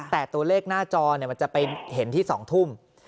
แต่ตัวเลขหน้าจอมันจะไปเห็นที่๒ทุ่ม